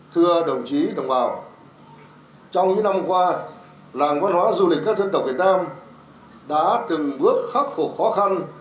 thưa đồng chí đồng bào trong những năm qua làng văn hóa du lịch các dân tộc việt nam đã từng bước khắc phục khó khăn